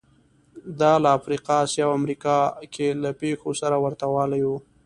دا له افریقا، اسیا او امریکا کې له پېښو سره ورته والی و